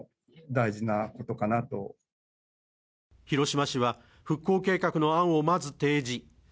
広島市は、復興計画の案をまず提示。